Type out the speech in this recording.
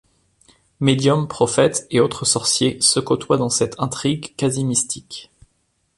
Médiums, prophètes et autres sorciers se côtoient dans cette intrigue quasi mystique.